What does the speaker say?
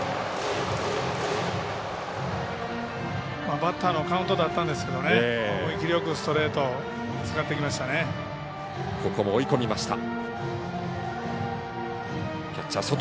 バッターのカウントだったんですけど思い切ってストレートを使ってきましたね。